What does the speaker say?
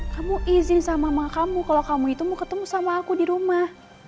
kamu izin sama mama kamu kalau kamu itu mau ketemu sama aku di rumah